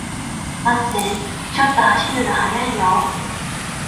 待ってー、ちょっと走るの速いよー